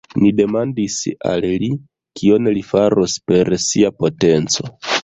Ni demandis al li, kion li faros per sia potenco.